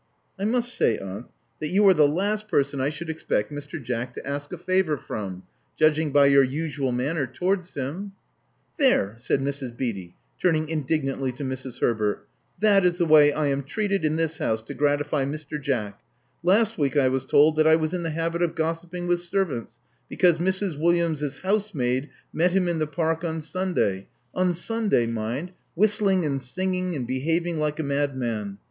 I must say, aunt, that you are the last person I Love Among the Artists 37 should expect Mr. Jack to ask a favor from, judging by your usual manner towards him. " •*There!" said Mrs. Beatty, turning indignantly to Mrs. Herbert. That is the way I am treated in this house to gratify Mr. Jack. Last week I was told that I was in the habit of gossiping with servants, because Mrs. Williams' housemaid met him in the Park on Sunday — on Sunday, mind — whistling and sing ing and behaving like a madman.